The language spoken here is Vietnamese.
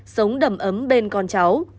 sống đầm ấm bên con cháu